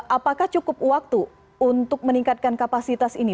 apakah cukup waktu untuk meningkatkan kapasitas ini